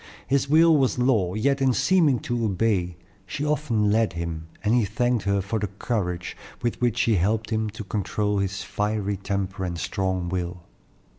His will was law; yet in seeming to obey, she often led him, and he thanked her for the courage with which she helped him to control his fiery temper and strong will.